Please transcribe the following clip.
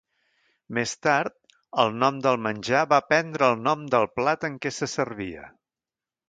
Més tard, el nom del menjar va prendre el nom del plat en què se servia.